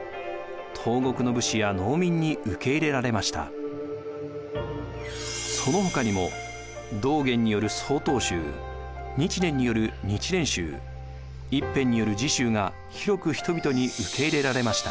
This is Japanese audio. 法然の弟子親鸞はそのほかにも道元による曹洞宗日蓮による日蓮宗一遍による時宗が広く人々に受け入れられました。